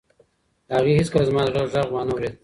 هغې هیڅکله زما د زړه غږ و نه اورېد.